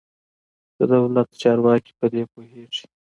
د دولت چارواکي په دې پوهېږي.